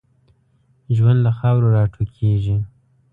ژوند له خاورو را ټوکېږي.